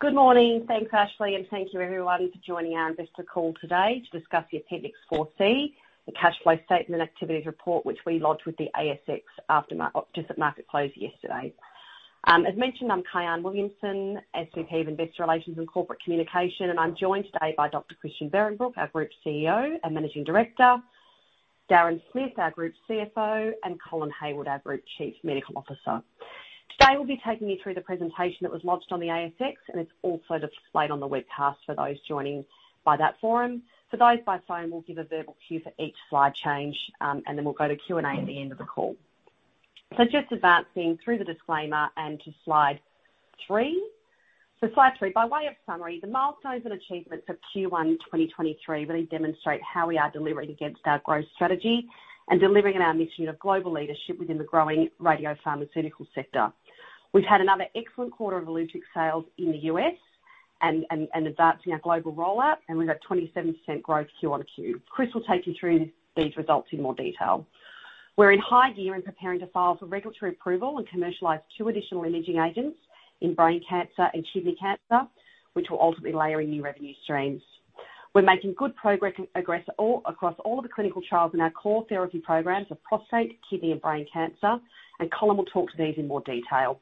Good morning. Thanks, Ashley, thank you everyone for joining our investor call today to discuss the Appendix 4C, the cash flow statement activities report, which we lodged with the ASX just at market close yesterday. As mentioned, I'm Kyahn Williamson, SVP of Investor Relations and Corporate Communication. I'm joined today by Dr. Christian Behrenbruch, our Group CEO and Managing Director; Darren Smith, our Group CFO; and Colin Hayward, our Group Chief Medical Officer. Today, we'll be taking you through the presentation that was lodged on the ASX. It's also displayed on the webcast for those joining by that forum. For those by phone, we'll give a verbal cue for each slide change. We'll go to Q&A at the end of the call. Just advancing through the disclaimer and to slide three. Slide three. By way of summary, the milestones and achievements of Q1 2023 really demonstrate how we are delivering against our growth strategy and delivering on our mission of global leadership within the growing radiopharmaceutical sector. We've had another excellent quarter of Illuccix sales in the U.S. and advancing our global rollout. We've got 27% growth Q-on-Q. Chris will take you through these results in more detail. We're in high gear in preparing to file for regulatory approval and commercialize two additional imaging agents in brain cancer and kidney cancer, which will ultimately layer in new revenue streams. We're making good progress across all of the clinical trials in our core therapy programs of prostate, kidney, and brain cancer. Colin will talk to these in more detail.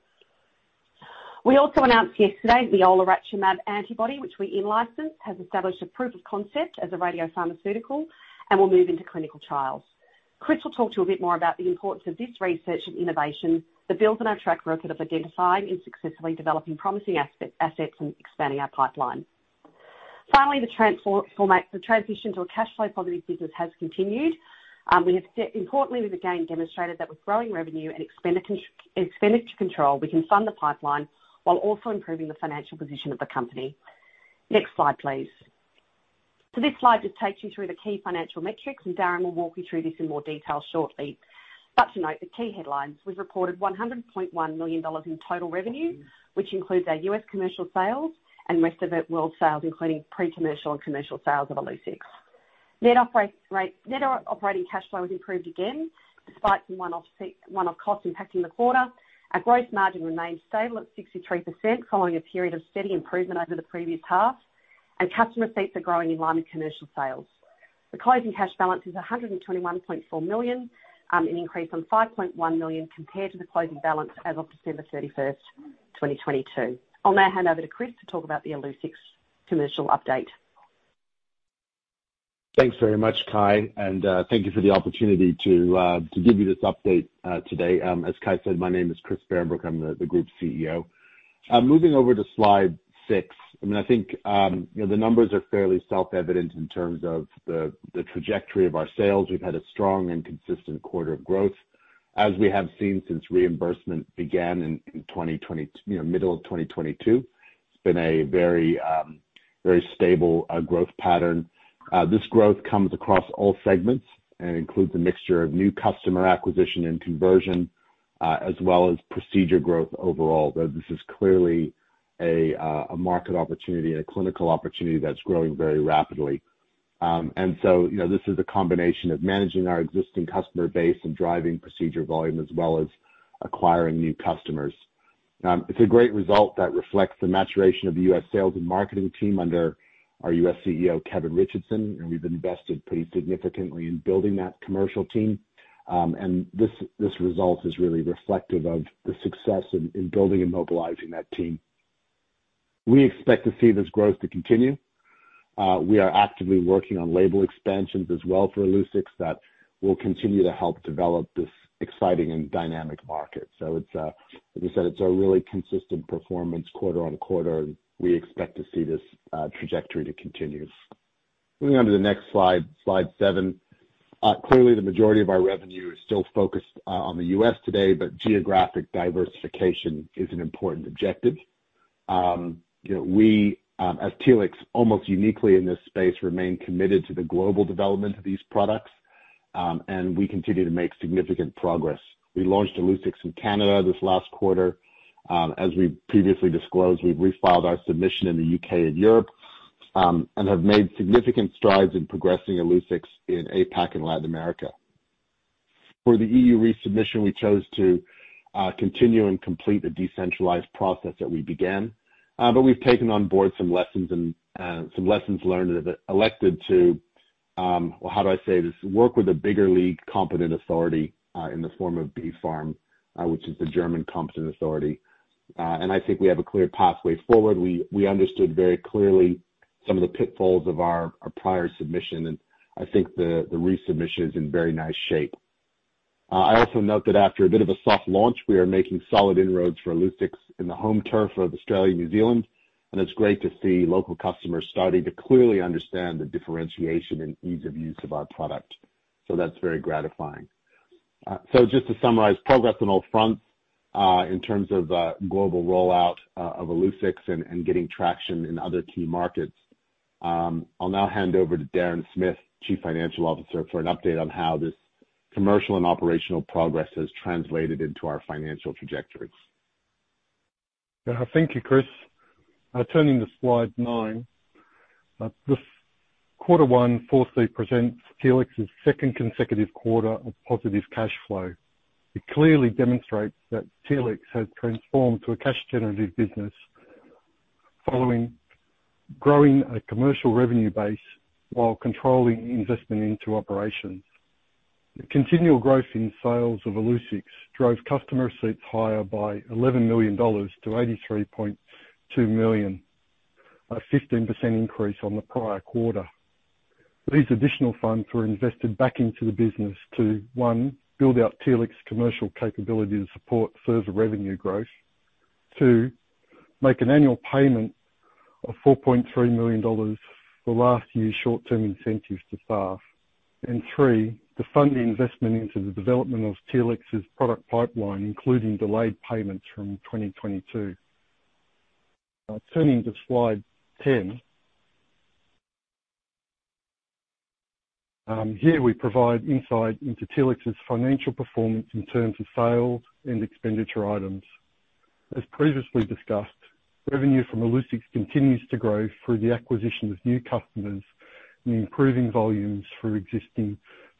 We also announced yesterday the olaratumab antibody, which we in-licensed, has established a proof of concept as a radiopharmaceutical and will move into clinical trials. Chris will talk to you a bit more about the importance of this research and innovation that builds on our track record of identifying and successfully developing promising assets and expanding our pipeline. Finally, the transition to a cash flow positive business has continued. Importantly, we've again demonstrated that with growing revenue and expenditure control, we can fund the pipeline while also improving the financial position of the company. Next slide, please. This slide just takes you through the key financial metrics, and Darren will walk you through this in more detail shortly. To note the key headlines, we've reported AUD 100.1 million in total revenue, which includes our US commercial sales and rest of world sales, including pre-commercial and commercial sales of Illuccix. Net operating cash flow has improved again, despite some one-off costs impacting the quarter. Our growth margin remains stable at 63%, following a period of steady improvement over the previous half. Customer seats are growing in line with commercial sales. The closing cash balance is 121.4 million, an increase from 5.1 million compared to the closing balance as of December 31, 2022. I'll now hand over to Chris to talk about the Illuccix commercial update. Thanks very much, Ki, thank you for the opportunity to give you this update today. As Ki said, my name is Chris Behrenbruch. I'm the Group CEO. Moving over to slide six. I mean, I think, you know, the numbers are fairly self-evident in terms of the trajectory of our sales. We've had a strong and consistent quarter of growth. As we have seen since reimbursement began in, you know, middle of 2022, it's been a very stable growth pattern. This growth comes across all segments and includes a mixture of new customer acquisition and conversion, as well as procedure growth overall. This is clearly a market opportunity and a clinical opportunity that's growing very rapidly. You know, this is a combination of managing our existing customer base and driving procedure volume, as well as acquiring new customers. It's a great result that reflects the maturation of the US sales and marketing team under our US CEO, Kevin Richardson, and we've invested pretty significantly in building that commercial team. This result is really reflective of the success in building and mobilizing that team. We expect to see this growth to continue. We are actively working on label expansions as well for Illuccix that will continue to help develop this exciting and dynamic market. It's, as we said, it's a really consistent performance quarter-on-quarter, and we expect to see this trajectory to continue. Moving on to the next slide seven. Clearly, the majority of our revenue is still focused on the U.S. today, but geographic diversification is an important objective. You know, we, as Telix, almost uniquely in this space, remain committed to the global development of these products, and we continue to make significant progress. We launched Illuccix in Canada this last quarter. As we previously disclosed, we've refiled our submission in the U.K. and Europe, and have made significant strides in progressing Illuccix in APAC and Latin America. For the EU resubmission, we chose to continue and complete the decentralized procedure that we began. We've taken on board some lessons and some lessons learned and have elected to... Well, how do I say this? Work with a bigger league competent authority in the form of BfArM, which is the German competent authority. I think we have a clear pathway forward. We understood very clearly some of the pitfalls of our prior submission, and I think the resubmission is in very nice shape. I also note that after a bit of a soft launch, we are making solid inroads for Illuccix in the home turf of Australia and New Zealand, and it's great to see local customers starting to clearly understand the differentiation and ease of use of our product. That's very gratifying. Just to summarize, progress on all fronts, in terms of global rollout of Illuccix and getting traction in other key markets. I'll now hand over to Darren Smith, Chief Financial Officer, for an update on how this commercial and operational progress has translated into our financial trajectories. Yeah. Thank you, Chris. Turning to slide nine. This quarter one full sleep presents Telix's second consecutive quarter of positive cash flow. It clearly demonstrates that Telix has transformed to a cash-generative business following growing a commercial revenue base while controlling investment into operations. The continual growth in sales of Illuccix drove customer receipts higher by AUD 11 million-AUD 83.2 million, a 15% increase on the prior quarter. These additional funds were invested back into the business to, one, build out Telix's commercial capability to support further revenue growth. two, make an annual payment of 4.3 million dollars for last year's short-term incentives to staff. three, to fund the investment into the development of Telix's product pipeline, including delayed payments from 2022. Turning to slide 10. Here we provide insight into Telix's financial performance in terms of sales and expenditure items. As previously discussed, revenue from Illuccix continues to grow through the acquisition of new customers and improving volumes through existing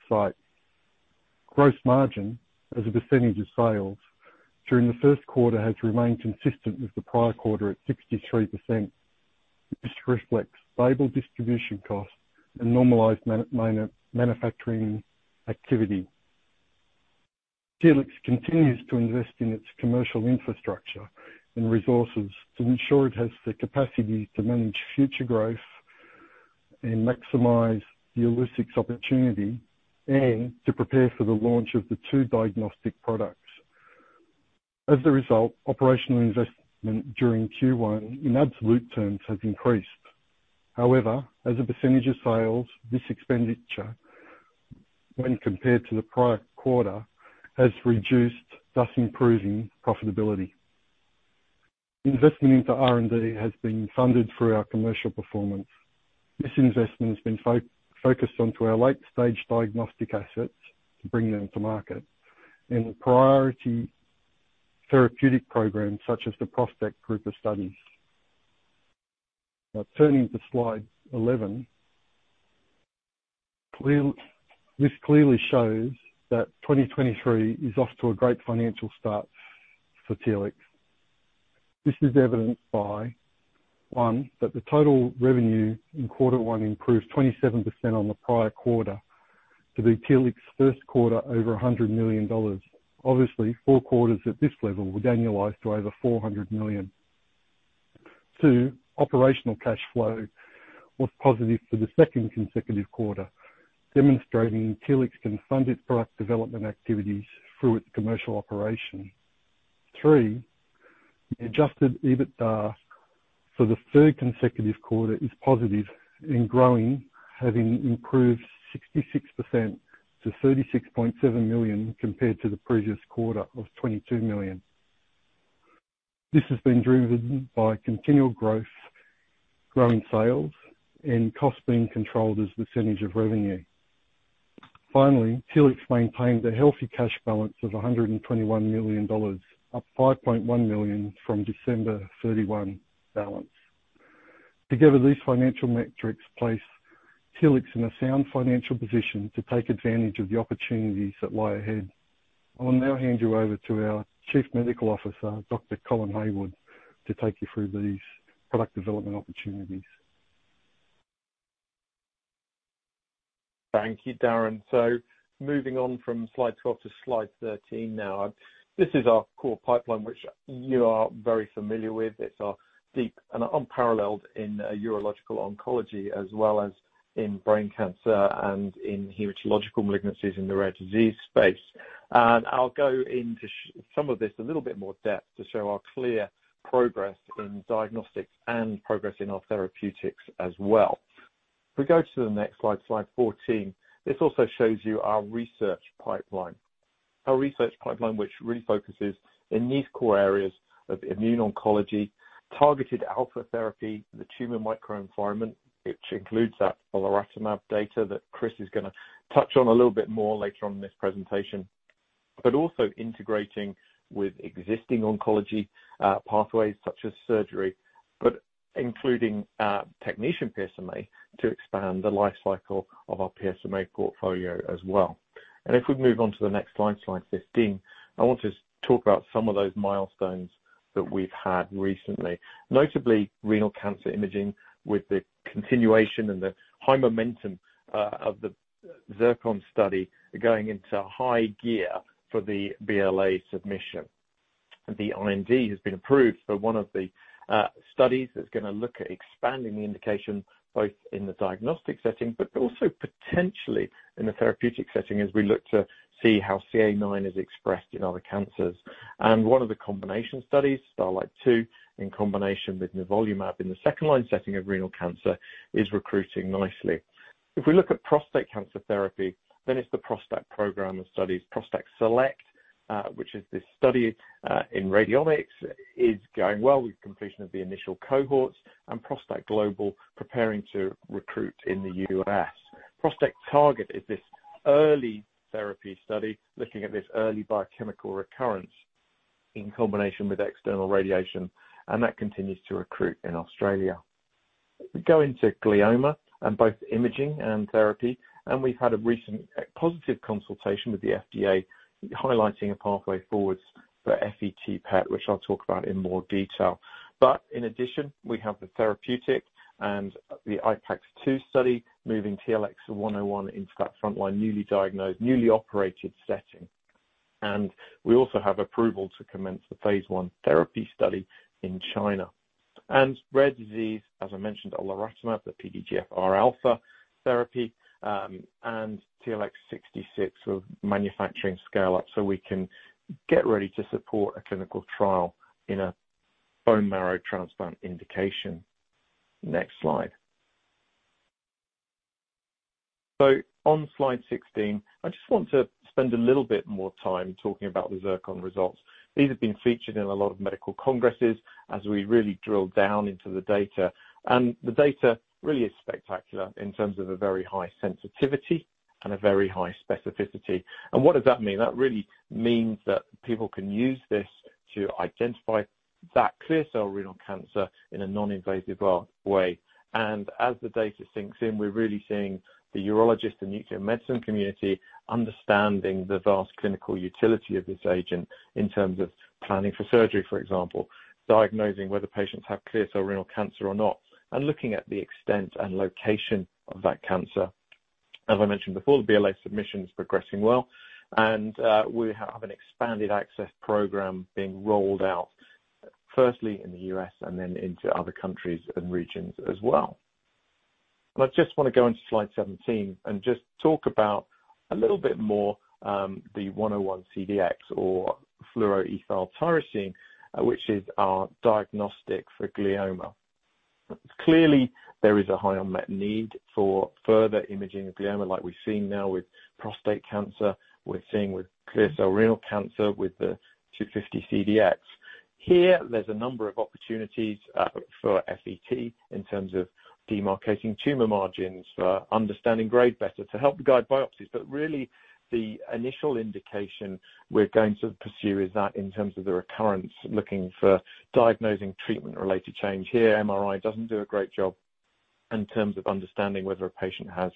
sites. Gross margin as a percentage of sales during the first quarter has remained consistent with the prior quarter at 63%. This reflects stable distribution costs and normalized manufacturing activity. Telix continues to invest in its commercial infrastructure and resources to ensure it has the capacity to manage future growth and maximize the Illuccix opportunity and to prepare for the launch of the two diagnostic products. As a result, operational investment during Q1 in absolute terms has increased. However, as a percentage of sales, this expenditure when compared to the prior quarter has reduced thus improving profitability. Investment into R&D has been funded through our commercial performance. This investment has been focused on to our late-stage diagnostic assets to bring them to market and the priority therapeutic programs such as the ProstACT group of studies. Turning to slide 11. This clearly shows that 2023 is off to a great financial start for Telix. This is evidenced by, one, that the total revenue in quarter one improved 27% on the prior quarter to be Telix's first quarter over $100 million. Obviously, four quarters at this level would annualize to over $400 million. two, operational cash flow was positive for the second consecutive quarter, demonstrating Telix can fund its product development activities through its commercial operation. three, the adjusted EBITDA for the third consecutive quarter is positive and growing, having improved 66% to $36.7 million compared to the previous quarter of $22 million. This has been driven by continual growth, growing sales and costs being controlled as a percentage of revenue. Finally, Telix maintained a healthy cash balance of 121 million dollars, up 5.1 million from December 31 balance. Together, these financial metrics place Telix in a sound financial position to take advantage of the opportunities that lie ahead. I will now hand you over to our Chief Medical Officer, Dr. Colin Hayward, to take you through these product development opportunities. Thank you, Darren. Moving on from slide 12 to slide 13 now. This is our core pipeline, which you are very familiar with. It's deep and unparalleled in urological oncology as well as in brain cancer and in hematological malignancies in the rare disease space. I'll go into some of this a little bit more depth to show our clear progress in diagnostics and progress in our therapeutics as well. If we go to the next slide 14, this also shows you our research pipeline. Our research pipeline, which really focuses in these core areas of immuno-oncology, targeted alpha therapy, the tumor microenvironment, which includes that olaratumab data that Chris is gonna touch on a little bit more later on in this presentation, also integrating with existing oncology pathways such as surgery, including technician PSMA to expand the life cycle of our PSMA portfolio as well. If we move on to the next slide 15, I want to talk about some of those milestones that we've had recently, notably renal cancer imaging with the continuation and the high momentum of the ZIRCON study going into high gear for the BLA submission. The IND has been approved for one of the studies that's gonna look at expanding the indication both in the diagnostic setting but also potentially in the therapeutic setting as we look to see how CA-nine is expressed in other cancers. One of the combination studies, STARLITE 2, in combination with nivolumab in the second-line setting of renal cancer is recruiting nicely. If we look at prostate cancer therapy, then it's the ProstACT program of studies. ProstACT SELECT, which is this study in radiomics, is going well with completion of the initial cohorts. ProstACT Global preparing to recruit in the U.S. ProstACT TARGET is this early therapy study looking at this early biochemical recurrence. In combination with external radiation, that continues to recruit in Australia. If we go into glioma and both imaging and therapy, and we've had a recent positive consultation with the FDA highlighting a pathway forwards for FET PET, which I'll talk about in more detail. In addition, we have the therapeutic and the IPAX-2 study moving TLX101 into that frontline, newly diagnosed, newly operated setting. We also have approval to commence the phase I therapy study in China. Rare disease, as I mentioned, olaratumab, the PDGFRα therapy, and TLX66 with manufacturing scale up so we can get ready to support a clinical trial in a bone marrow transplant indication. Next slide. On slide 16, I just want to spend a little bit more time talking about the ZIRCON results. These have been featured in a lot of medical congresses as we really drill down into the data. The data really is spectacular in terms of a very high sensitivity and a very high specificity. What does that mean? That really means that people can use this to identify that clear cell renal cancer in a non-invasive way. As the data sinks in, we're really seeing the urologist and nuclear medicine community understanding the vast clinical utility of this agent in terms of planning for surgery, for example, diagnosing whether patients have clear cell renal cancer or not, and looking at the extent and location of that cancer. As I mentioned before, the BLA submission is progressing well, and we have an expanded access program being rolled out, firstly in the U.S. and then into other countries and regions as well. I just wanna go into slide 17 and just talk about a little bit more, the TLX101-CDx or fluoroethyltyrosine, which is our diagnostic for glioma. Clearly, there is a high unmet need for further imaging of glioma like we're seeing now with prostate cancer, we're seeing with clear cell renal cancer with the TLX250-CDx. Here, there's a number of opportunities for FET in terms of demarcating tumor margins, for understanding grade better to help guide biopsies. Really the initial indication we're going to pursue is that in terms of the recurrence, looking for diagnosing treatment-related change. Here, MRI doesn't do a great job in terms of understanding whether a patient has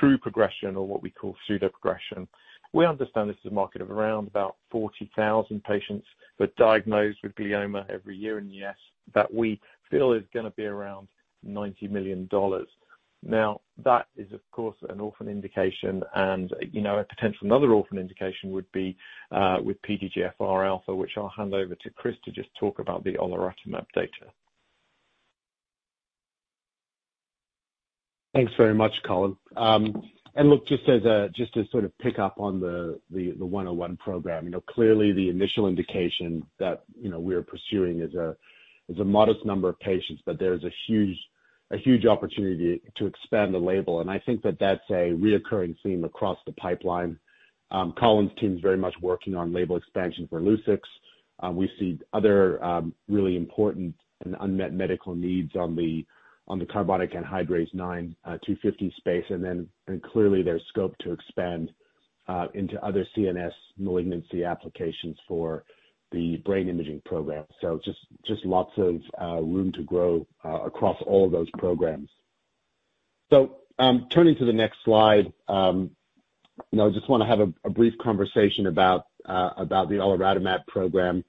true progression or what we call pseudoprogression. We understand this is a market of around about 40,000 patients who are diagnosed with glioma every year in the U.S. that we feel is gonna be around $90 million. That is, of course, an orphan indication and, you know, a potential another orphan indication would be with PDGFR alpha, which I'll hand over to Chris to just talk about the olaratumab data. Thanks very much, Colin. Look, just to pick up on the 101 program. You know, clearly the initial indication that, you know, we're pursuing is a modest number of patients, but there's a huge opportunity to expand the label. I think that that's a reoccurring theme across the pipeline. Colin's team is very much working on label expansion for Lu6. We see other, really important and unmet medical needs on the carbonic anhydrase nine, 250 space. Clearly there's scope to expand into other CNS malignancy applications for the brain imaging program. Just lots of room to grow across all those programs. Turning to the next slide, you know, I just wanna have a brief conversation about the olaratumab program.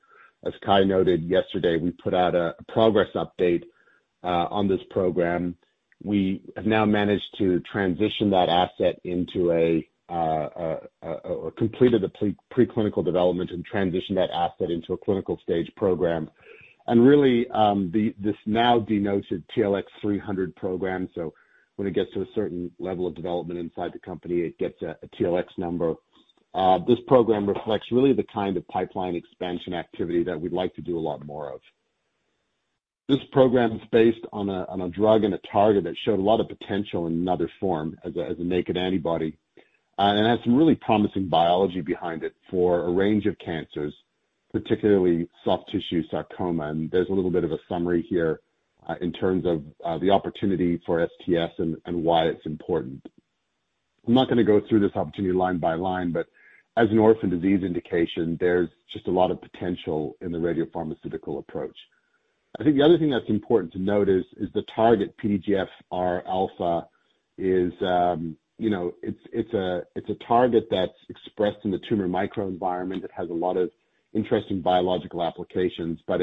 As Kai noted yesterday, we put out a progress update on this program. We have now managed to transition that asset into a or completed the preclinical development and transitioned that asset into a clinical stage program. Really, this now denoted TLX300 program. When it gets to a certain level of development inside the company, it gets a TLX number. This program reflects really the kind of pipeline expansion activity that we'd like to do a lot more of. This program is based on a drug and a target that showed a lot of potential in another form as a naked antibody, and has some really promising biology behind it for a range of cancers, particularly soft tissue sarcoma. There's a little bit of a summary here, in terms of the opportunity for STS and why it's important. I'm not gonna go through this opportunity line by line, but as an orphan disease indication, there's just a lot of potential in the radiopharmaceutical approach. I think the other thing that's important to note is the target PDGFR alpha is, you know, it's a target that's expressed in the tumor microenvironment. It has a lot of interesting biological applications, but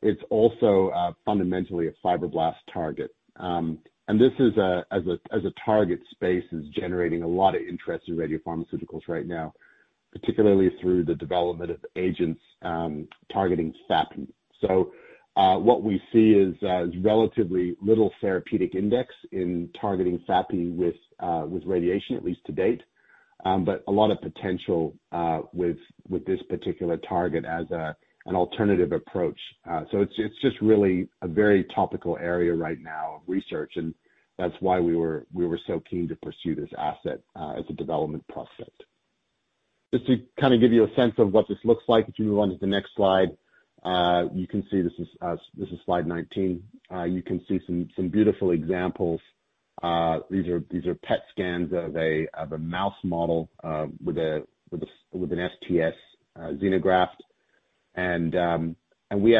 it's also fundamentally a fibroblast target. This is a target space, is generating a lot of interest in radiopharmaceuticals right now, particularly through the development of agents, targeting FAP. What we see is relatively little therapeutic index in targeting FAP with radiation, at least to date. A lot of potential with this particular target as an alternative approach. It's just really a very topical area right now of research, and that's why we were so keen to pursue this asset as a development prospect. Just to kind of give you a sense of what this looks like if you move on to the next slide. You can see this is slide 19. You can see some beautiful examples. These are PET scans of a mouse model with an STS xenograft. We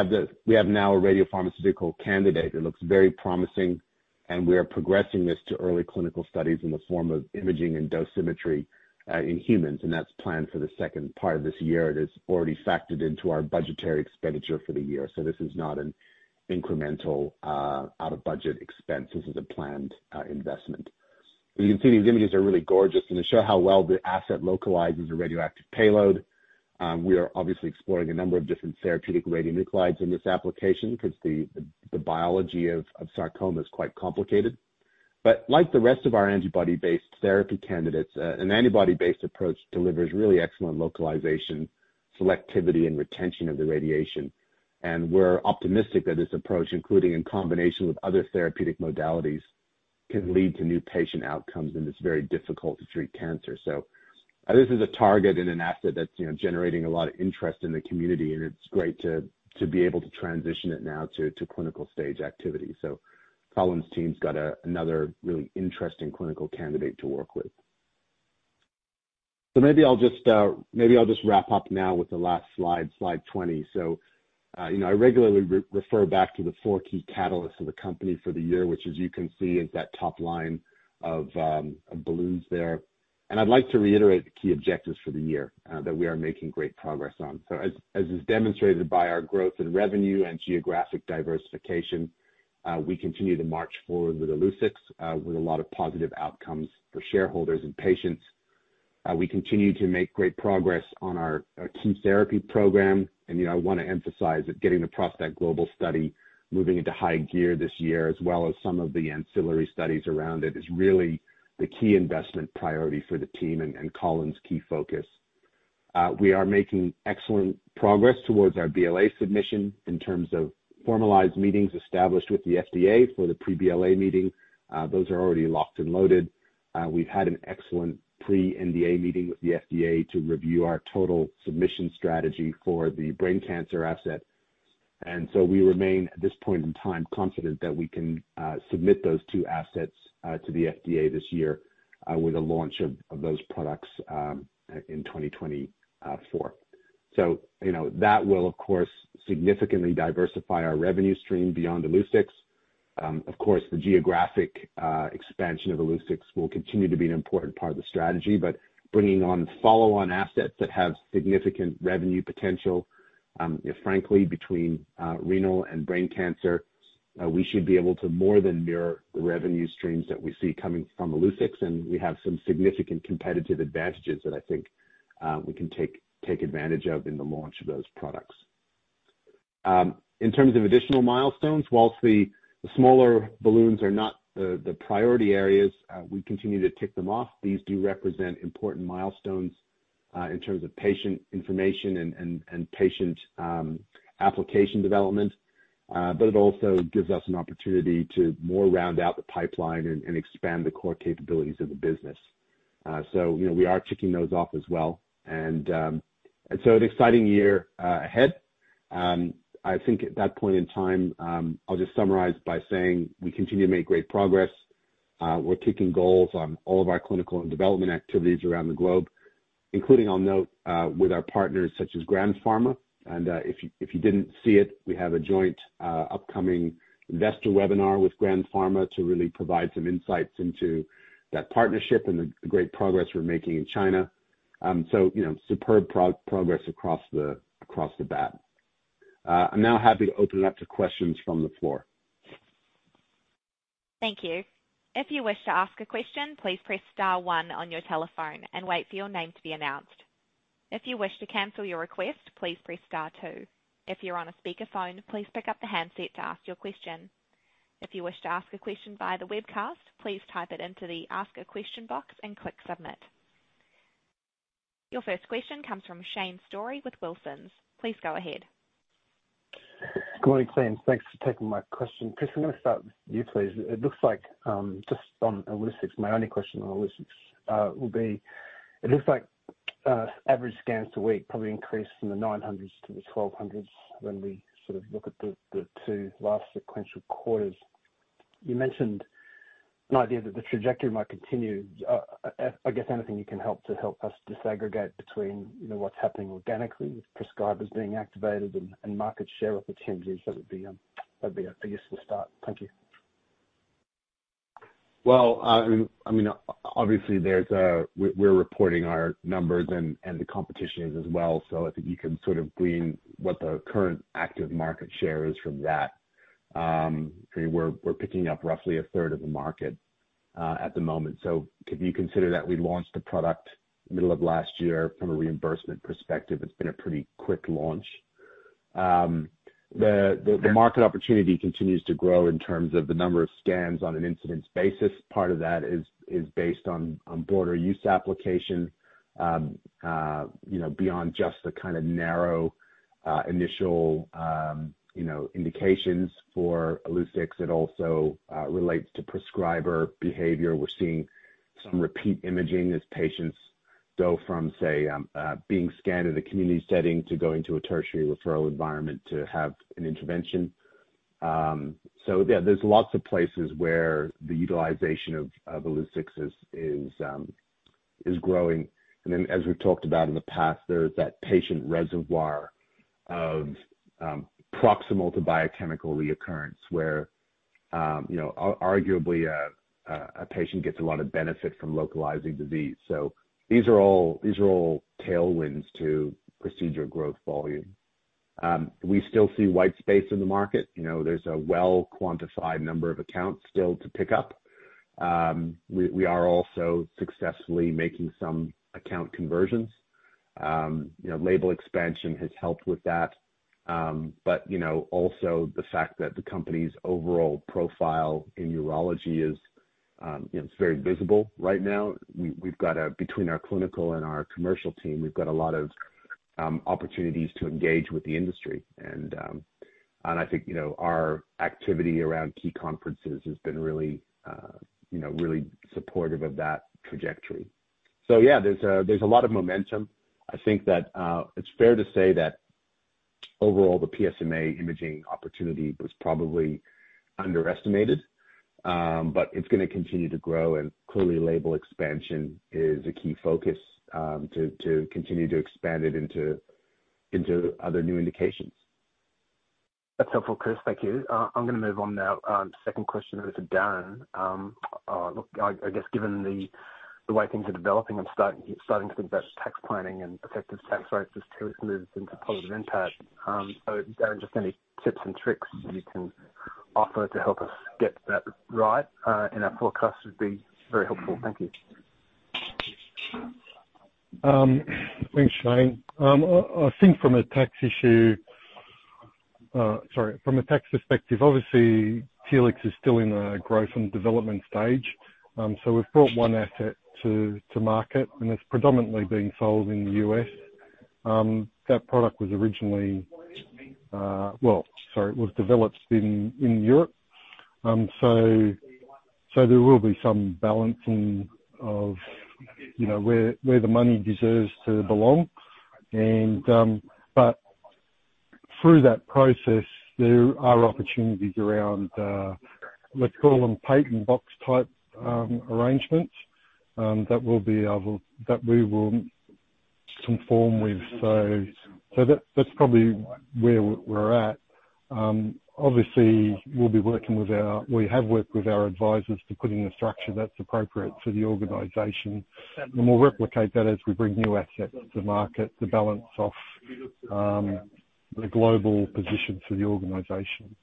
have now a radiopharmaceutical candidate that looks very promising, and we are progressing this to early clinical studies in the form of imaging and dosimetry in humans, and that's planned for the second part of this year. It is already factored into our budgetary expenditure for the year, so this is not an incremental, out of budget expense. This is a planned investment. You can see these images are really gorgeous and they show how well the asset localizes a radioactive payload. We are obviously exploring a number of different therapeutic radionuclides in this application 'cause the biology of sarcoma is quite complicated. Like the rest of our antibody-based therapy candidates, an antibody-based approach delivers really excellent localization, selectivity and retention of the radiation. We're optimistic that this approach, including in combination with other therapeutic modalities, can lead to new patient outcomes in this very difficult to treat cancer. This is a target and an asset that's, you know, generating a lot of interest in the community, and it's great to be able to transition it now to clinical stage activity. Colin's team's got another really interesting clinical candidate to work with. Maybe I'll just wrap up now with the last slide 20. You know, I regularly re-refer back to the four key catalysts of the company for the year, which as you can see is that top line of balloons there. I'd like to reiterate the key objectives for the year, that we are making great progress on. As is demonstrated by our growth in revenue and geographic diversification, we continue to march forward with Illuccix, with a lot of positive outcomes for shareholders and patients. We continue to make great progress on our key therapy program. You know, I wanna emphasize that getting the prostate global study moving into high gear this year, as well as some of the ancillary studies around it, is really the key investment priority for the team and Colin's key focus. We are making excellent progress towards our BLA submission in terms of formalized meetings established with the FDA for the pre-BLA meeting. Those are already locked and loaded. We've had an excellent pre-NDA meeting with the FDA to review our total submission strategy for the brain cancer asset. We remain, at this point in time, confident that we can submit those two assets to the FDA this year, with a launch of those products in 2024. You know, that will of course significantly diversify our revenue stream beyond Illuccix. Of course, the geographic expansion of Illuccix will continue to be an important part of the strategy, bringing on follow-on assets that have significant revenue potential, you know, frankly, between renal and brain cancer, we should be able to more than mirror the revenue streams that we see coming from Illuccix, and we have some significant competitive advantages that I think we can take advantage of in the launch of those products. In terms of additional milestones, whilst the smaller balloons are not the priority areas, we continue to tick them off. These do represent important milestones, in terms of patient information and patient application development, it also gives us an opportunity to more round out the pipeline and expand the core capabilities of the business. You know, we are ticking those off as well. An exciting year ahead. I think at that point in time, I'll just summarize by saying we continue to make great progress. We're kicking goals on all of our clinical and development activities around the globe, including, I'll note, with our partners such as Grand Pharma. If you didn't see it, we have a joint upcoming investor webinar with Grand Pharma to really provide some insights into that partnership and the great progress we're making in China. You know, superb progress across the bat. I'm now happy to open it up to questions from the floor. Thank you. If you wish to ask a question, please press star one on your telephone and wait for your name to be announced. If you wish to cancel your request, please press star two. If you're on a speakerphone, please pick up the handset to ask your question. If you wish to ask a question via the webcast, please type it into the Ask a Question box and click Submit. Your first question comes from Shane Storey with Wilsons. Please go ahead. Good morning, Shane. Thanks for taking my question. Chris, I'm gonna start with you, please. It looks like, just on Illuccix, my only question on Illuccix will be. It looks like, average scans a week probably increased from the 900-1,200 when we sort of look at the two last sequential quarters. You mentioned an idea that the trajectory might continue. I guess anything you can help to help us disaggregate between, you know, what's happening organically with prescribers being activated and market share opportunities, that would be, that'd be, I guess, the start. Thank you. Well, I mean, obviously, we're reporting our numbers and the competition is as well. I think you can sort of glean what the current active market share is from that. I mean, we're picking up roughly 1/3 of the market at the moment. If you consider that we launched the product middle of last year from a reimbursement perspective, it's been a pretty quick launch. The market opportunity continues to grow in terms of the number of scans on an incidence basis. Part of that is based on broader use application, you know, beyond just the kind of narrow initial, you know, indications for Illuccix that also relates to prescriber behavior. We're seeing some repeat imaging as patients go from, say, being scanned in the community setting to going to a tertiary referral environment to have an intervention. Yeah, there's lots of places where the utilization of Illuccix is growing. As we've talked about in the past, there's that patient reservoir of proximal to biochemical recurrence where, you know, arguably a patient gets a lot of benefit from localizing disease. These are all tailwinds to procedure growth volume. We still see white space in the market. You know, there's a well-quantified number of accounts still to pick up. We are also successfully making some account conversions. You know, label expansion has helped with that. Also, the fact that the company's overall profile in urology is, you know, it's very visible right now. We've got between our clinical and our commercial team, we've got a lot of opportunities to engage with the industry. I think, you know, our activity around key conferences has been really, you know, really supportive of that trajectory. Yeah, there's a lot of momentum. I think that it's fair to say that overall, the PSMA imaging opportunity was probably underestimated. It's gonna continue to grow, and clearly label expansion is a key focus to continue to expand it into other new indications. That's helpful, Chris. Thank you. I'm gonna move on now. Second question is to Dan. Look, I guess given the way things are developing and starting to invest tax planning and effective tax rates as Telix moves into positive impact, Dan, just any tips and tricks you can offer to help us get that right, and our forecast would be very helpful. Thank you. Thanks, Shane. I think from a tax issue. Sorry. From a tax perspective, obviously Telix is still in a growth and development stage. We've brought one asset to market, and it's predominantly being sold in the U.S. That product was originally, well, sorry, it was developed in Europe. There will be some balancing of, you know, where the money deserves to belong. Through that process, there are opportunities around, let's call them patent box type arrangements, that we will conform with. That's probably where we're at. We have worked with our advisors to put in a structure that's appropriate for the organization. We'll replicate that as we bring new assets to market to balance off the global position for the organization.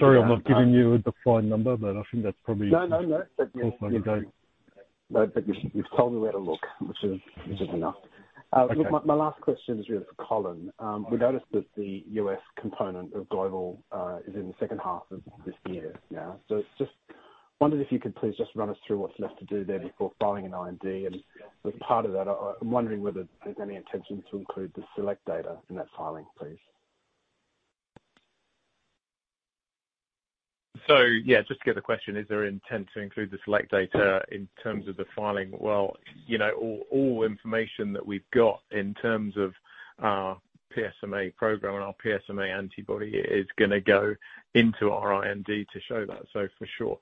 Sorry, I'm not giving you a defined number, but I think that's probably. No, no. Close Monday. No, you've told me where to look, which is, which is enough. Okay. My last question is really for Colin. We noticed that the U.S. component of Global is in the second half of this year now. Just wondered if you could please just run us through what's left to do there before filing an IND. As part of that, I'm wondering whether there's any intention to include the SELECT data in that filing, please. Yeah, just to get the question, is there intent to include the SELECT data in terms of the filing? Well, you know, all information that we've got in terms of our PSMA program and our PSMA antibody is gonna go into our IND to show that. For sure.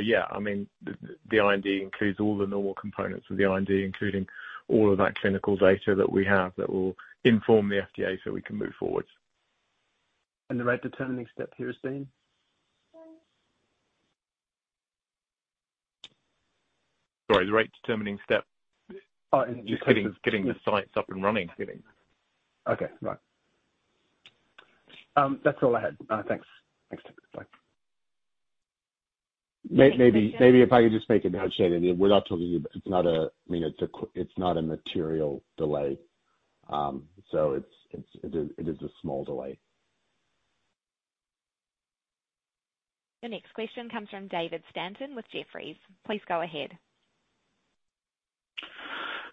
Yeah, I mean, the IND includes all the normal components of the IND, including all of that clinical data that we have that will inform the FDA so we can move forward. The rate determining step here is then? Sorry, the rate determining step. Oh. Getting the sites up and running. Okay. Right. That's all I had. Thanks. Bye. Maybe if I could just make a note, Shane, we're not talking. I mean, it's not a material delay. It is a small delay. Your next question comes from David Stanton with Jefferies. Please go ahead.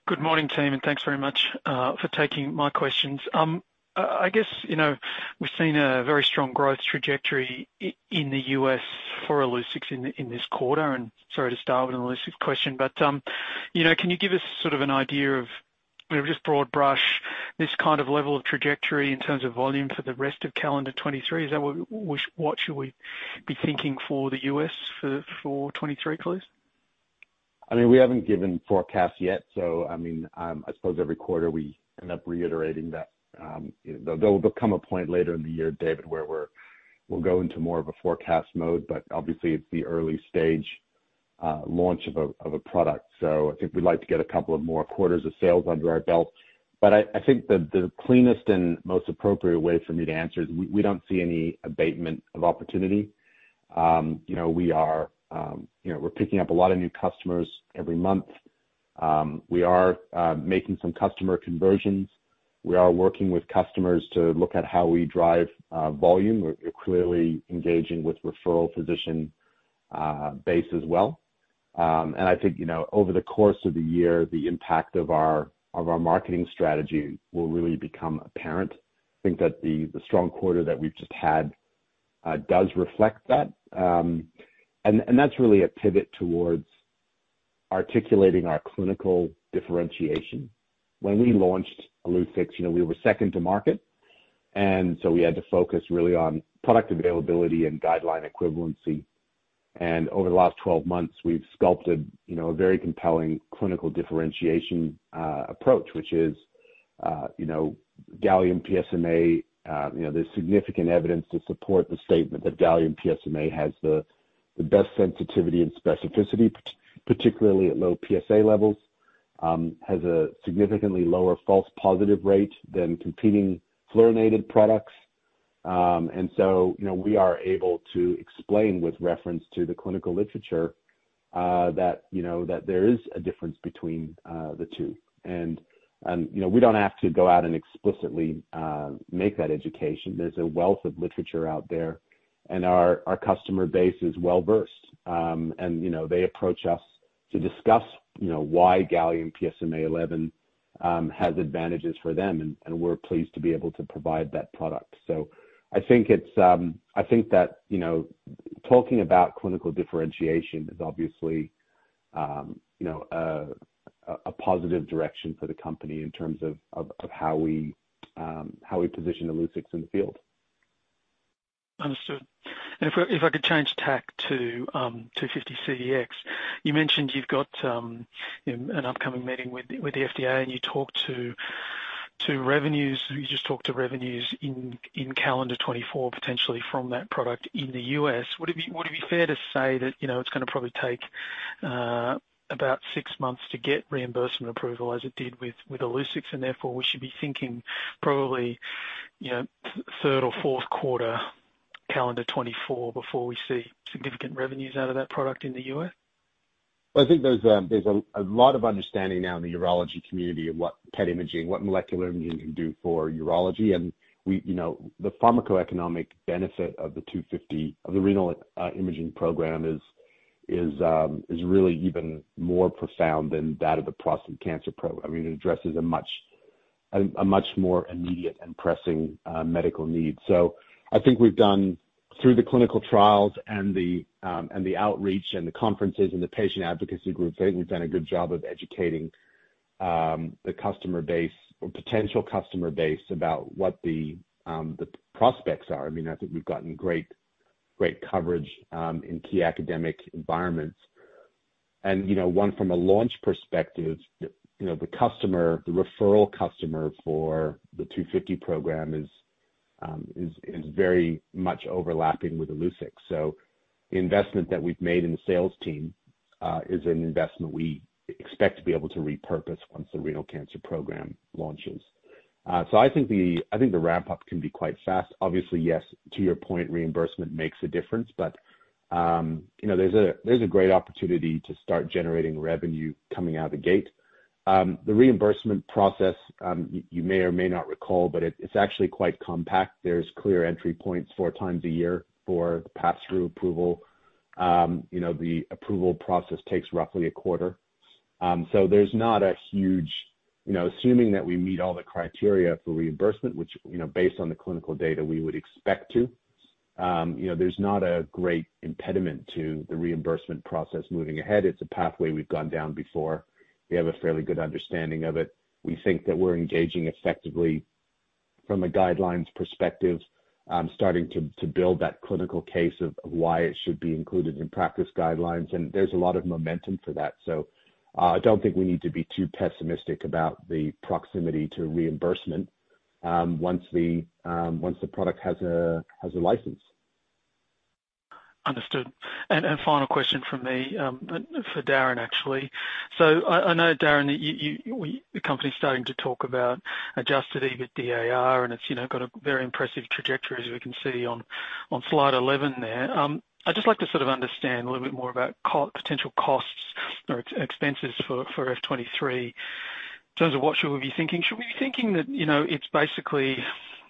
Good morning, team. Thanks very much for taking my questions. I guess, you know, we've seen a very strong growth trajectory in the U.S. for Illuccix in this quarter. Sorry to start with an Illuccix question, but, you know, can you give us sort of an idea of, you know, just broad brush this kind of level of trajectory in terms of volume for the rest of calendar 2023? Is that what What should we be thinking for the U.S. for 2023, please? I mean, we haven't given forecasts yet, I mean, I suppose every quarter we end up reiterating that. There will become a point later in the year, David, where we'll go into more of a forecast mode, but obviously it's the early stage launch of a product. I think we'd like to get a couple of more quarters of sales under our belt. I think the cleanest and most appropriate way for me to answer is we don't see any abatement of opportunity. You know, we are, you know, we're picking up a lot of new customers every month. We are making some customer conversions. We are working with customers to look at how we drive volume. We're clearly engaging with referral physician base as well. I think, you know, over the course of the year, the impact of our, of our marketing strategy will really become apparent. I think that the strong quarter that we've just had, does reflect that. That's really a pivot towards articulating our clinical differentiation. When we launched Illuccix, you know, we were second to market, and so we had to focus really on product availability and guideline equivalency. Over the last 12 months, we've sculpted, you know, a very compelling clinical differentiation, approach, which is, you know, gallium PSMA. You know, there's significant evidence to support the statement that gallium PSMA has the best sensitivity and specificity, particularly at low PSA levels, has a significantly lower false positive rate than competing fluorinated products. You know, we are able to explain with reference to the clinical literature, that you know that there is a difference between the two. You know, we don't have to go out and explicitly make that education. There's a wealth of literature out there, and our customer base is well-versed. You know, they approach us to discuss, you know, why gallium PSMA-11 has advantages for them, and we're pleased to be able to provide that product. I think it's, I think that, you know, talking about clinical differentiation is obviously, you know, a positive direction for the company in terms of, of how we, how we position Illuccix in the field. Understood. If I could change tack to TLX250-CDx. You mentioned you've got, you know, an upcoming meeting with the FDA, and you talked to revenues. You just talked to revenues in calendar 2024, potentially from that product in the U.S. Would it be fair to say that, you know, it's gonna probably take about six months to get reimbursement approval as it did with Illuccix? Therefore, we should be thinking probably, you know, third or fourth quarter calendar 2024 before we see significant revenues out of that product in the U.S.? Well, I think there's a lot of understanding now in the urology community of what PET imaging, what molecular imaging can do for urology. We you know, the pharmacoeconomic benefit of the 250, of the renal imaging program is really even more profound than that of the prostate cancer program. I mean, it addresses a much more immediate and pressing medical need. I think we've done, through the clinical trials and the outreach and the conferences and the patient advocacy groups, I think we've done a good job of educating the customer base or potential customer base about what the prospects are. I mean, I think we've gotten great coverage in key academic environments. You know, one from a launch perspective, you know, the customer, the referral customer for the 250 program is very much overlapping with Illuccix. The investment that we've made in the sales team is an investment we expect to be able to repurpose once the renal cancer program launches. I think the ramp-up can be quite fast. Obviously, yes, to your point, reimbursement makes a difference, but, you know, there's a great opportunity to start generating revenue coming out of the gate. The reimbursement process, you may or may not recall, but it's actually quite compact. There's clear entry points four times a year for pass-through approval. You know, the approval process takes roughly a quarter. There's not a huge... You know, assuming that we meet all the criteria for reimbursement, which, you know, based on the clinical data we would expect to, there's not a great impediment to the reimbursement process moving ahead. It's a pathway we've gone down before. We have a fairly good understanding of it. We think that we're engaging effectively from a guidelines perspective, starting to build that clinical case of why it should be included in practice guidelines. There's a lot of momentum for that. I don't think we need to be too pessimistic about the proximity to reimbursement once the product has a license. Understood. Final question from me, for Darren actually. I know, Darren, that the company's starting to talk about adjusted EBITDA, and it's, you know, got a very impressive trajectory as we can see on slide 11 there. I'd just like to sort of understand a little bit more about potential costs or expenses for F-23 in terms of what should we be thinking. Should we be thinking that, you know, it's basically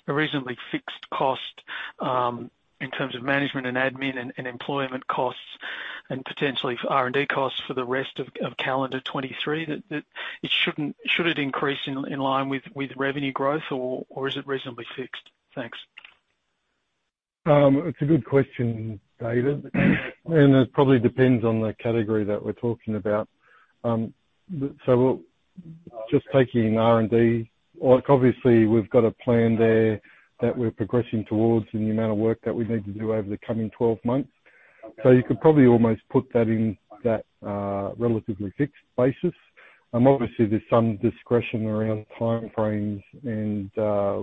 a reasonably fixed cost in terms of management and admin and employment costs and potentially for R&D costs for the rest of calendar 2023? Should it increase in line with revenue growth, or is it reasonably fixed? Thanks. It's a good question, David. It probably depends on the category that we're talking about. So just taking R&D, like obviously we've got a plan there that we're progressing towards in the amount of work that we need to do over the coming 12 months. You could probably almost put that in that relatively fixed basis. Obviously there's some discretion around timeframes and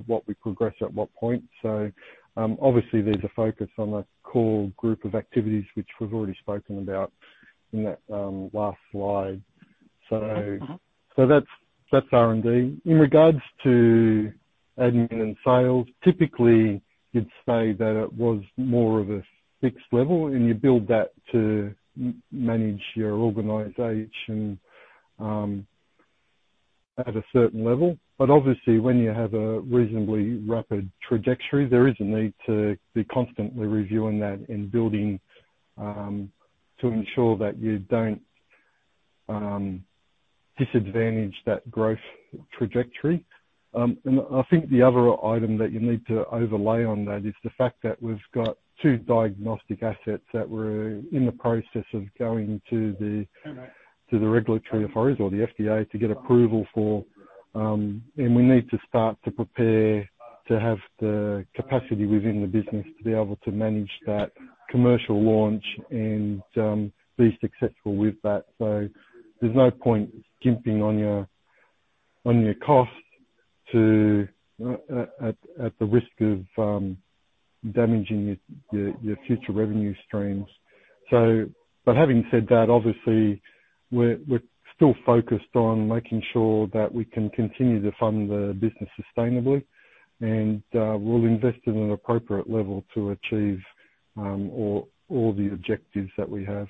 what we progress at what point. Obviously there's a focus on the core group of activities which we've already spoken about in that last slide. Mm-hmm. That's R&D. In regards to admin and sales, typically you'd say that it was more of a fixed level, and you build that to manage your organization at a certain level. Obviously, when you have a reasonably rapid trajectory, there is a need to be constantly reviewing that and building to ensure that you don't disadvantage that growth trajectory. I think the other item that you need to overlay on that is the fact that we've got two diagnostic assets that we're in the process of going to the regulatory authorities or the FDA to get approval for, and we need to start to prepare to have the capacity within the business to be able to manage that commercial launch and be successful with that. There's no point gimping on your costs to... at the risk of damaging your future revenue streams. Having said that, obviously we're still focused on making sure that we can continue to fund the business sustainably and we'll invest in an appropriate level to achieve all the objectives that we have.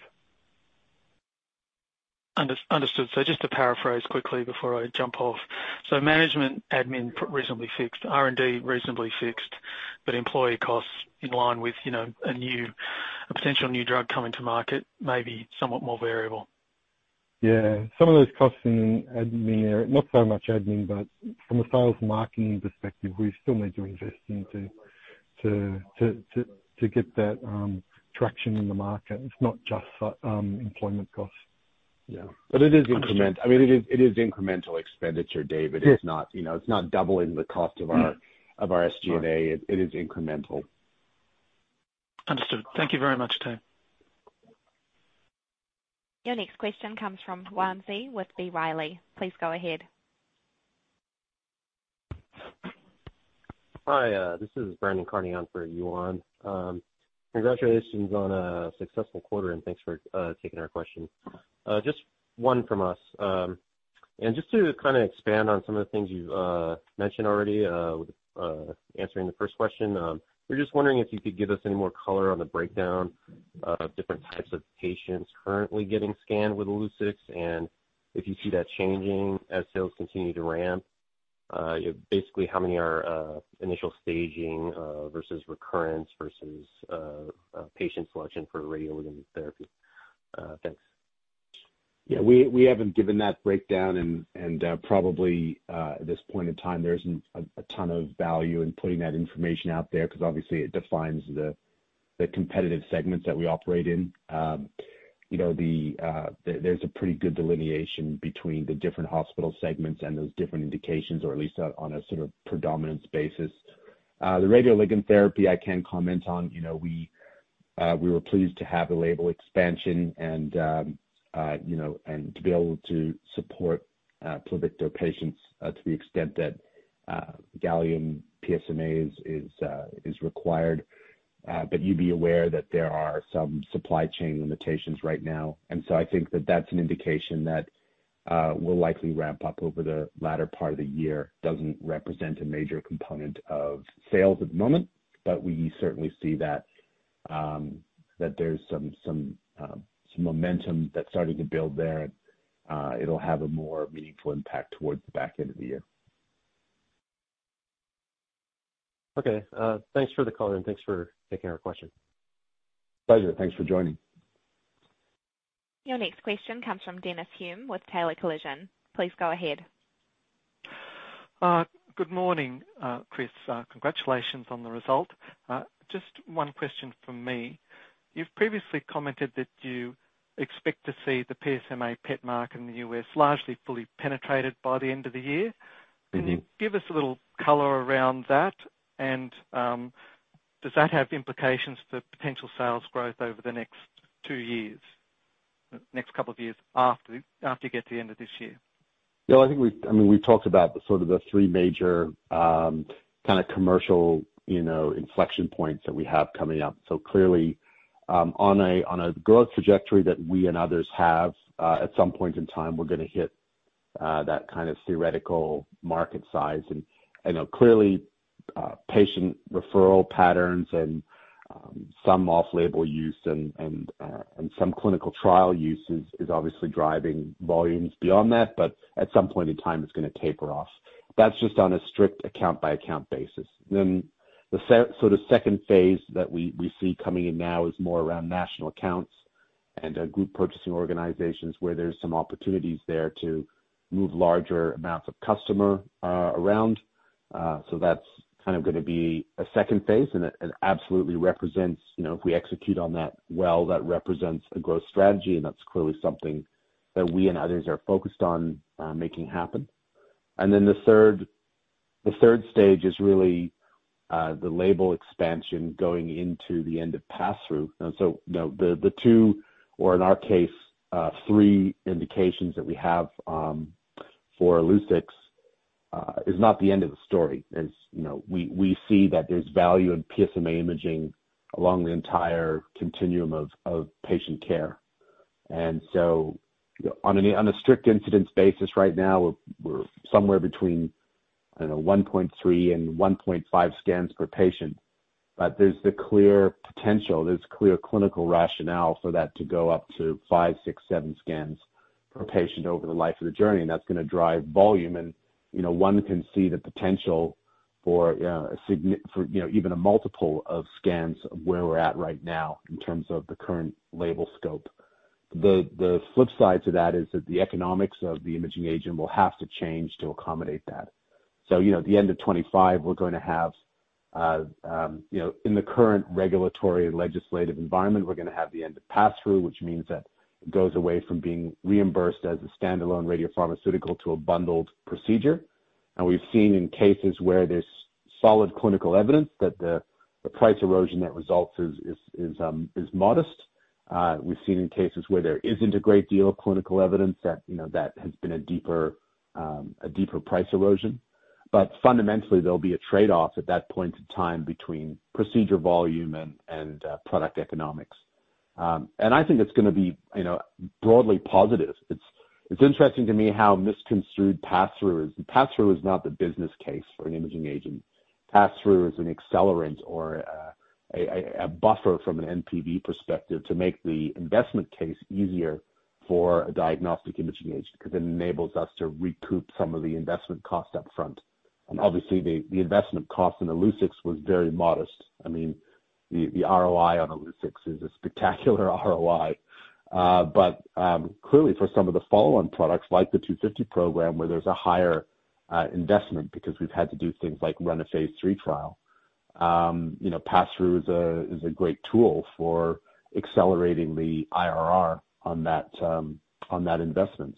Under-understood. Just to paraphrase quickly before I jump off. Management admin reasonably fixed, R&D reasonably fixed, but employee costs in line with, you know, a new, a potential new drug coming to market, maybe somewhat more variable. Yeah. Some of those costs in admin are not so much admin, but from a sales marketing perspective, we still need to invest into to get that traction in the market. It's not just employment costs. Yeah. It is. I mean, it is incremental expenditure, David. Yeah. It's not, you know, it's not doubling the cost of. Yeah. of our SG&A. It is incremental. Understood. Thank you very much, team. Your next question comes from Yuan Zhi with B. Riley. Please go ahead. Hi, this is Brandon Carney on for Yuan. Congratulations on a successful quarter, and thanks for taking our question. Just one from us. Just to kinda expand on some of the things you mentioned already, with answering the first question, we're just wondering if you could give us any more color on the breakdown of different types of patients currently getting scanned with Illuccix, and if you see that changing as sales continue to ramp. Basically, how many are initial staging versus recurrence versus patient selection for radioligand therapy. Thanks. Yeah. We haven't given that breakdown. Probably at this point in time, there isn't a ton of value in putting that information out there 'cause obviously it defines the competitive segments that we operate in. You know, there's a pretty good delineation between the different hospital segments and those different indications, or at least on a sort of predominance basis. The radioligand therapy I can comment on. You know, we were pleased to have the label expansion and, you know, to be able to support Pluvicto patients to the extent that gallium PSMA is required. You'd be aware that there are some supply chain limitations right now. I think that that's an indication that we'll likely ramp up over the latter part of the year. Doesn't represent a major component of sales at the moment, but we certainly see that there's some momentum that's starting to build there. It'll have a more meaningful impact towards the back end of the year. Okay. Thanks for the call and thanks for taking our question. Pleasure. Thanks for joining. Your next question comes from Dennis Hulme with Taylor Collison. Please go ahead. Good morning, Chris. Congratulations on the result. Just one question from me. You've previously commented that you expect to see the PSMA PET mark in the U.S. largely fully penetrated by the end of the year. Mm-hmm. Can you give us a little color around that? Does that have implications for potential sales growth over the next two years, next couple of years after you get to the end of this year? I think we've, I mean, we've talked about the sort of the three major, kinda commercial, you know, inflection points that we have coming up. Clearly, on a growth trajectory that we and others have, at some point in time, we're gonna hit that kind of theoretical market size and, you know, clearly, patient referral patterns and some off-label use and some clinical trial uses is obviously driving volumes beyond that. At some point in time, it's gonna taper off. That's just on a strict account-by-account basis. The sort a phase II that we see coming in now is more around national accounts and group purchasing organizations where there's some opportunities there to move larger amounts of customer around. That's kind of gonna be a phase II and it absolutely represents, you know, if we execute on that well, that represents a growth strategy, and that's clearly something that we and others are focused on making happen. The third, the third stage is really the label expansion going into the end of pass-through. You know, the two or in our case, three indications that we have for Illuccix is not the end of the story. As you know, we see that there's value in PSMA imaging along the entire continuum of patient care. On a, on a strict incidence basis right now, we're somewhere between I don't know, 1.3 and 1.5 scans per patient. There's the clear potential, there's clear clinical rationale for that to go up to five, six, seven scans per patient over the life of the journey, and that's gonna drive volume. You know, one can see the potential for, you know, even a multiple of scans of where we're at right now in terms of the current label scope. The flip side to that is that the economics of the imaging agent will have to change to accommodate that. You know, at the end of 25, we're gonna have, you know, in the current regulatory legislative environment, we're gonna have the end of pass-through, which means that it goes away from being reimbursed as a standalone radiopharmaceutical to a bundled procedure. We've seen in cases where there's solid clinical evidence that the price erosion that results is modest. We've seen in cases where there isn't a great deal of clinical evidence that, you know, that has been a deeper price erosion. Fundamentally, there'll be a trade-off at that point in time between procedure volume and product economics. I think it's gonna be, you know, broadly positive. It's interesting to me how misconstrued pass-through is. Pass-through is not the business case for an imaging agent. Pass-through is an accelerant or a buffer from an NPV perspective to make the investment case easier for a diagnostic imaging agent, because it enables us to recoup some of the investment costs up front. Obviously, the investment cost in Illuccix was very modest. I mean, the ROI on Illuccix is a spectacular ROI. Clearly for some of the follow-on products like the TLX250 program, where there's a higher investment because we've had to do things like run a phase III trial, you know, pass-through is a great tool for accelerating the IRR on that investment.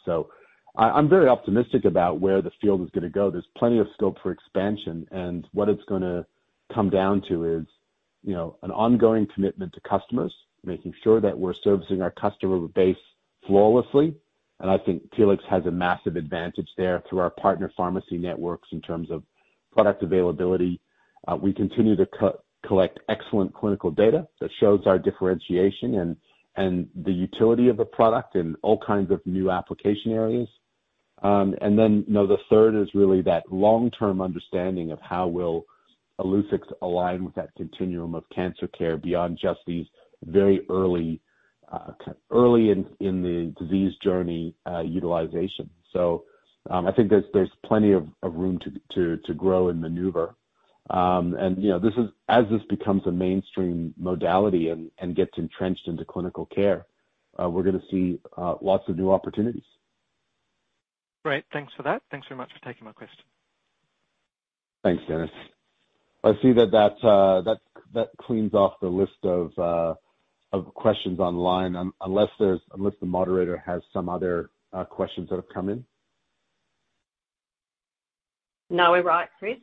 I'm very optimistic about where the field is gonna go. There's plenty of scope for expansion. What it's gonna come down to is, you know, an ongoing commitment to customers, making sure that we're servicing our customer base flawlessly. I think Telix has a massive advantage there through our partner pharmacy networks in terms of product availability. We continue to co-collect excellent clinical data that shows our differentiation and the utility of the product in all kinds of new application areas. You know, the third is really that long-term understanding of how will Illuccix align with that continuum of cancer care beyond just these very early in the disease journey, utilization. I think there's plenty of room to grow and maneuver. You know, As this becomes a mainstream modality and gets entrenched into clinical care, we're gonna see lots of new opportunities. Great. Thanks for that. Thanks very much for taking my question. Thanks, Dennis. I see that cleans off the list of questions online, unless the moderator has some other questions that have come in. No, we're right, Chris.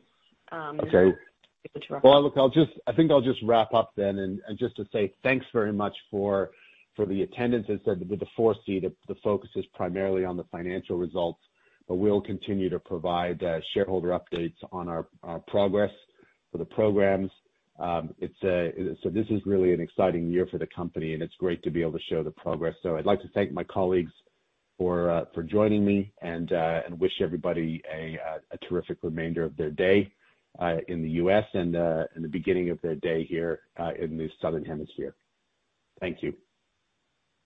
Okay. People to ask. Well, look, I think I'll just wrap up then and just to say thanks very much for the attendance. As said, with the 4C, the focus is primarily on the financial results, we'll continue to provide shareholder updates on our progress for the programs. It's really an exciting year for the company, and it's great to be able to show the progress. I'd like to thank my colleagues for joining me and wish everybody a terrific remainder of their day in the U.S. and the beginning of their day here in the Southern Hemisphere. Thank you.